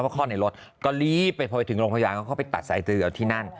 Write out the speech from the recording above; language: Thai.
คลอดในรถก็รีบไปพอไปถึงโรงพยาบาลก็เข้าไปตัดสายตือเอาที่นั่น